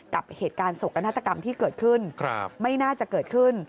กับเหตุการณ์โศกนาฏกรรมที่เกิดขึ้นไม่น่าจะเกิดขึ้น